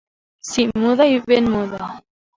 Sí, muda i ben muda.